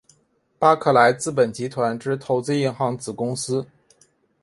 巴克莱资本集团之投资银行子公司。